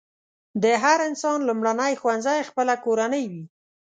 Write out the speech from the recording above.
د هر انسان لومړنی ښوونځی خپله کورنۍ وي.